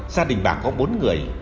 gia đình bà có bốn người